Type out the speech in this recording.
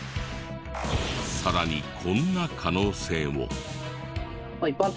さらにこんな可能性も。